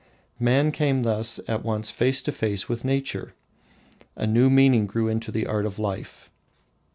Man came thus at once face to face with nature. A new meaning grew into the art of life.